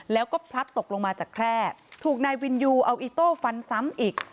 แล้วก็พลัดตกลงมาจากแคร่ถูกนายวินยูเอาอิโต้ฟันซ้ำอีก